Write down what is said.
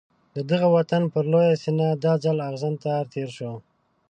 د دغه وطن پر لویه سینه دا ځل اغزن تار تېر شو.